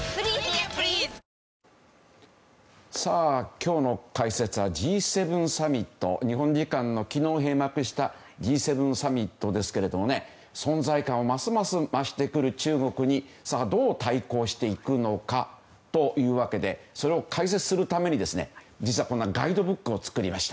今日の解説はＧ７サミット日本時間の昨日、閉幕したＧ７サミットですけども存在感をますます増してくる中国にどう対抗していくのかというわけでそれを解説するために実はガイドブックを作りました。